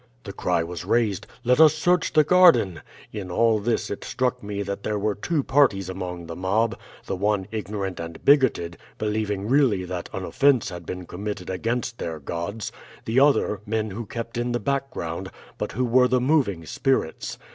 "The cry was raised, 'Let us search the garden!' In all this it struck me that there were two parties among the mob, the one ignorant and bigoted, believing really that an offense had been committed against their gods; the other, men who kept in the background, but who were the moving spirits.